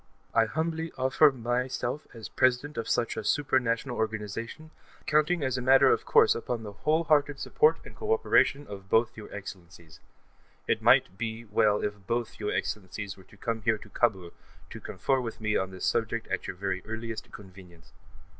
I humbly offer myself as President of such a supra national organization, counting as a matter of course upon the whole hearted support and co operation of both your Excellencies. It might be well if both your Excellencies were to come here to Kabul to confer with me on this subject at your very earliest convenience.